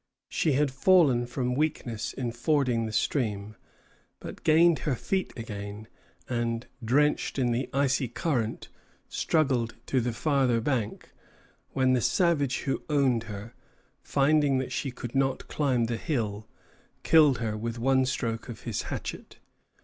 She had fallen from weakness in fording the stream, but gained her feet again, and, drenched in the icy current, struggled to the farther bank, when the savage who owned her, finding that she could not climb the hill, killed her with one stroke of his hatchet.